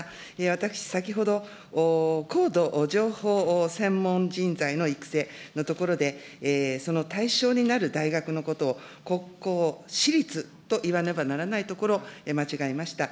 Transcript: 私、先ほど、高度情報専門人材の育成のところで、その対象になる大学のことを、国公、私立と言わねばならないところ、間違えました。